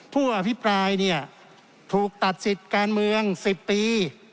ผู้อภิปรายเนี่ยถูกตัดสิทธิ์การเมือง๑๐ปี